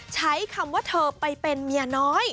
ใช้คำว่าเธอไปเป็นเมียน้อย